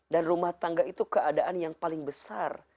dan rumah tangga itu keadaan yang paling besar